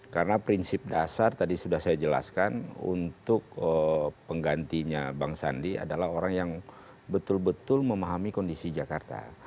karena prinsip dasar tadi sudah saya jelaskan untuk penggantinya bang sandi adalah orang yang betul betul memahami kondisi jakarta